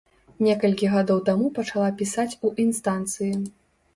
Некалькі гадоў таму пачала пісаць у інстанцыі.